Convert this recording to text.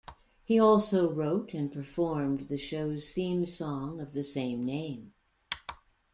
He also wrote and performed the show's theme song of the same name.